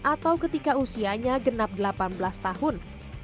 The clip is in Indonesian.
atau ketika usianya genap delapan belas tahun